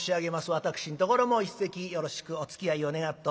私んところも一席よろしくおつきあいを願っておきます。